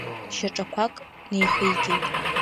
Шьаҿақәак неихигеит.